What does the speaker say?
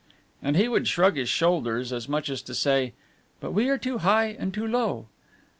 And he would shrug his shoulders as much as to say, "But we are too high and too low!"